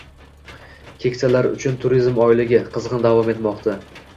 “Keksalar uchun turizm oyligi” qizg‘in davom etmoqdang